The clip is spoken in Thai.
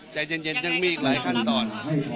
ใจเย็นยังมีอีกหลายขั้นตอน